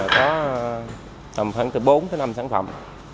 có khoảng từ bốn năm sản phẩm